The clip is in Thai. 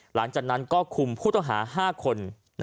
หลังจากนั้นก็คุมผู้ต้องหา๕คน